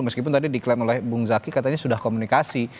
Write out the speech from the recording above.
meskipun tadi diklaim oleh bung zaki katanya sudah komunikasi